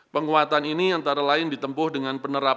penguatan ini antara lain ditempuh dengan penerapan